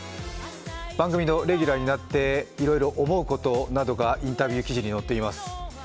番組のレギュラーになっていろいろ思うことがインタビュー記事に載っています。